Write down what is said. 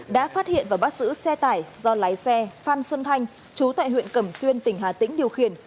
đã phát hiện và bắt giữ xe tải do lái xe phan xuân thanh chú tại huyện cẩm xuyên tỉnh hà tĩnh điều khiển